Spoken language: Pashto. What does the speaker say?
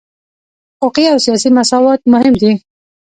حقوقي او سیاسي مساوات مهم دي.